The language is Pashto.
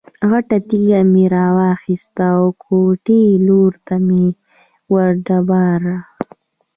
غټه تیږه مې را واخیسته او کوټې لور ته مې یې وډباړه.